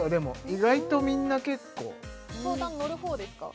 意外とみんな結構相談乗る方ですか？